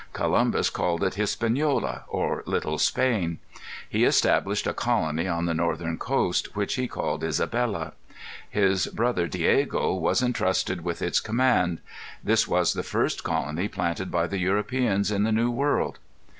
Columbus called it Hispaniola, or Little Spain. He established a colony on the northern coast, which he called Isabella. His brother, Diego, was intrusted with its command. This was the first colony planted by the Europeans in the New World.